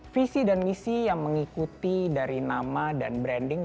visi dan misi yang mengikuti dari nama dan branding